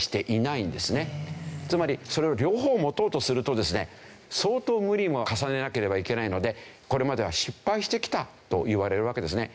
つまりそれを両方持とうとするとですね相当無理を重ねなければいけないのでこれまでは失敗してきたといわれるわけですね。